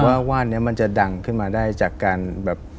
ว่าว่านนี้มันจะดังขึ้นมาได้จากการแบบ